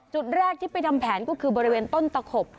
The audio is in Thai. จุดแรกที่ไปทำแผนก็คือบริเวณต้นตะขบ